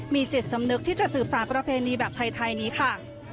มีจิตสำนึกที่จะสืบสารประเพณีแบบไทยนี้ค่ะ